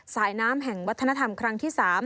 สายน้ำแห่งวัฒนธรรมครั้งที่๓